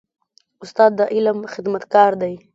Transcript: استاد د علم خدمتګار دی.